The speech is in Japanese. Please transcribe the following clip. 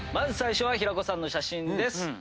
最初は平子さんの写真です